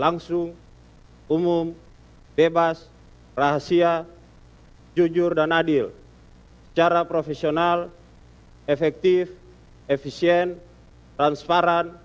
langsung umum bebas rahasia jujur dan adil secara profesional efektif efisien transparan